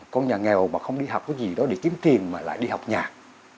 con nhà nghèo mà không đi học cái gì đó để kiếm tiền mà lại đi học nhạc